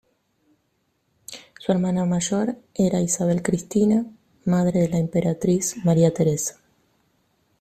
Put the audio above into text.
Su hermana mayor era Isabel Cristina, madre de la emperatriz María Teresa.